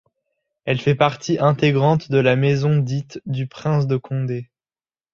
Elle fait partie intégrante de la maison dite du prince de Condé.